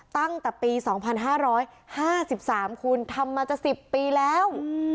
ตั้งแต่ปี๒๕๕๓คุณทำมาจะ๑๐ปีแล้ว